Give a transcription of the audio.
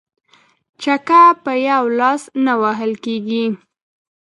ـ چکه په يوه لاس نه وهل کيږي.